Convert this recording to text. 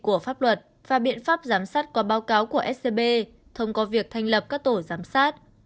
của pháp luật và biện pháp giám sát qua báo cáo của scb thông qua việc thành lập các tổ giám sát